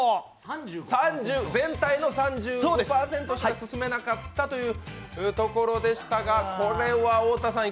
全体の３５％しか進めなかったというところでしたがこれは太田さん